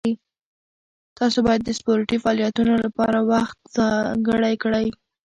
تاسو باید د سپورټي فعالیتونو لپاره وخت ځانګړی کړئ.